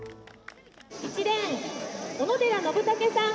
「１レーン小野寺のぶたけさん」。